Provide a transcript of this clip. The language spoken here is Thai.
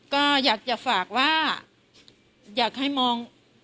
ก็อยากจะฝากว่าอยากให้มอง